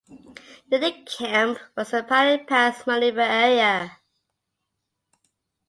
Near the camp was the Palen Pass Maneuver Area.